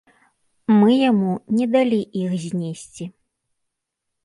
Мы яму не далі іх знесці.